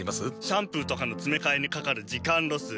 シャンプーとかのつめかえにかかる時間ロス。